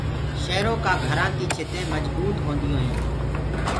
شيرو ڪآ گھرآ ڪي ڇتينٚ مجبوت هونديونٚ هينٚ۔